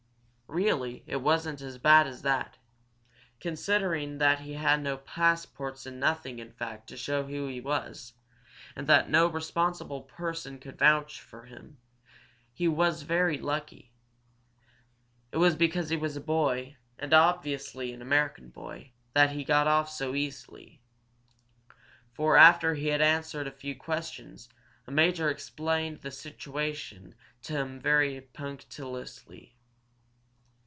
Really, it wasn't as bad as that. Considering that he had no passports and nothing, in fact, to show who he was, and that no responsible person could vouch for him, he was very lucky. It was because he was a boy, and obviously an American boy, that he got off so easily. For after he had answered a few questions, a major explained the situation to him very punctiliously.